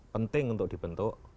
penting untuk dibentuk